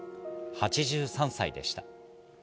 ８３歳でした。